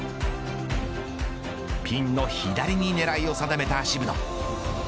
ピンの左に狙いを定めた渋野。